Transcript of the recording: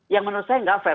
yang menurut saya tidak adil